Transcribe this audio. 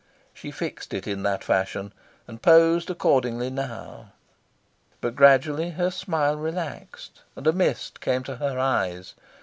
She fixed it in that fashion, and posed accordingly. Now! But gradually her smile relaxed, and a mist came to her eyes.